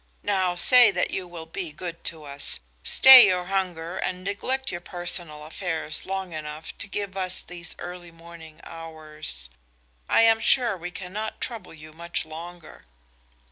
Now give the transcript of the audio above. Now, say that you will be good to us; stay your hunger and neglect your personal affairs long enough to give us these early morning hours. I am sure we cannot trouble you much longer."